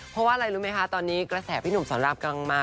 เพราะว่าอะไรรู้ไหมคะตอนนี้กระแสพี่หนุ่มสอนรามกำลังมา